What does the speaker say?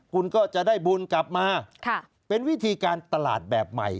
คุณก็จะได้บุญกลับมาเป็นวิธีการตลาดแบบใหม่